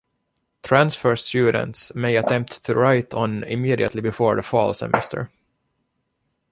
Transfer students may attempt to write on immediately before the fall semester.